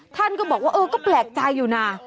ท่านก็บอกว่าเออก็แปลกใจอยู่นะ